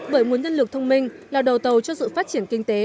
bởi nguồn nhân lực thông minh là đầu tàu cho sự phát triển kinh tế